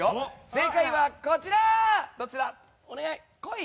正解は、こちら！